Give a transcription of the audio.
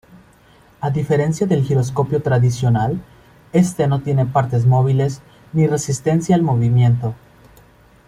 A diferencia del giroscopio tradicional, este no tiene partes móviles, ni resistencia al movimiento.